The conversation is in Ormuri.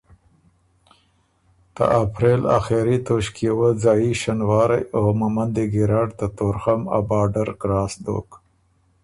ته اپرېل آخېری توݭکيې وه ځايي شنوارئ او ممندي ګیرډ ته طورخم ا باډر کراس دوک